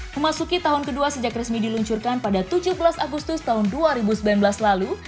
memasuki tahun kedua sejak resmi diluncurkan pada tujuh belas agustus tahun dua ribu sembilan belas lalu